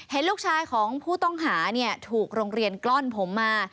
เห็นลูกชายของผู้ต้องหาถูกโรงเรียนกล้อนผมมา